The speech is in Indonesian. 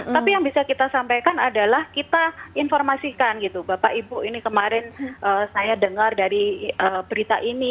tapi yang bisa kita sampaikan adalah kita informasikan gitu bapak ibu ini kemarin saya dengar dari berita ini